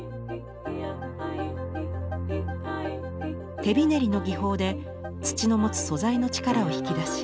手びねりの技法で土の持つ素材の力を引き出し